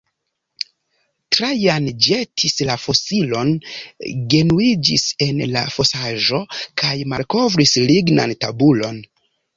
Trajan ĵetis la fosilon, genuiĝis en la fosaĵo kaj malkovris lignan tabulon.